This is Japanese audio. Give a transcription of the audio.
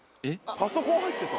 パソコン入ってた。